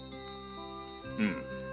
うん。